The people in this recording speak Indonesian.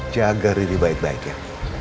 jaga riri baik baik ya